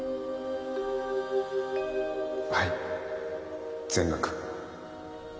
はい全額。